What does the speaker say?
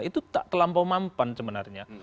itu tak terlampau mampan sebenarnya